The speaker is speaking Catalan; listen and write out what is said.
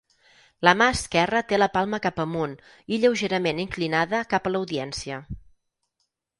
La mà esquerra té la palma cap amunt i lleugerament inclinada cap a l'audiència.